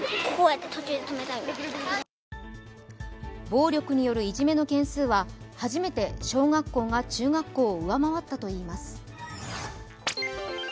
暴力によるいじめの件数は、初めて小学校が中学校を上回ったといいます。